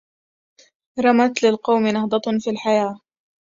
رمت للقوم نهضة في الحياة